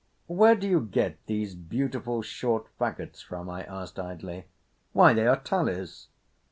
"Where do you get these beautiful short faggots from?" I asked idly. "Why, they are tallies!"